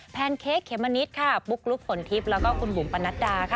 แนนเค้กเขมมะนิดค่ะปุ๊กลุ๊กฝนทิพย์แล้วก็คุณบุ๋มปนัดดาค่ะ